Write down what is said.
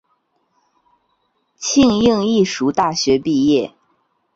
庆应义塾大学毕业。